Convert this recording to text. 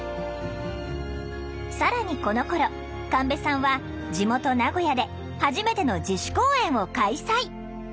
更にこのころ神戸さんは地元名古屋で初めての自主公演を開催。